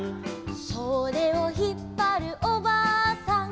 「それをひっぱるおばあさん」